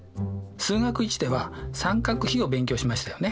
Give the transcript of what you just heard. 「数学Ⅰ」では三角比を勉強しましたよね。